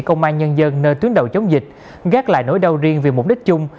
công an nhân dân nơi tuyến đầu chống dịch gác lại nỗi đau riêng vì mục đích chung